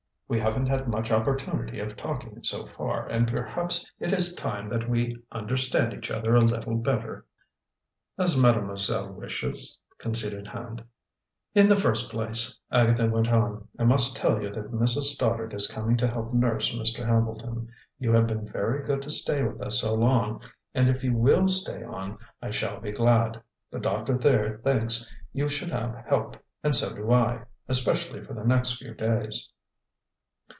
"We haven't had much opportunity of talking, so far; and perhaps it is time that we understand each other a little better." "As mademoiselle wishes," conceded Hand. "In the first place," Agatha went on, "I must tell you that Mrs. Stoddard is coming to help nurse Mr. Hambleton. You have been very good to stay with us so long; and if you will stay on, I shall be glad. But Doctor Thayer thinks you should have help, and so do I. Especially for the next few days."